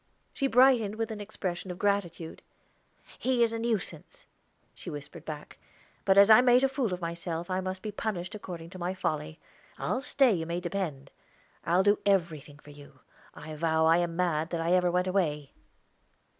She brightened with an expression of gratitude. "He is a nuisance," she whispered back; "but as I made a fool of myself, I must be punished according to my folly. I'll stay, you may depend. I'll do everything for you. I vow I am mad, that I ever went away."